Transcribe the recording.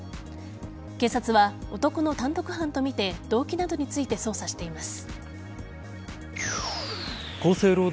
警察は男の単独犯とみて動機などについて捜査しています。